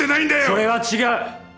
それは違う！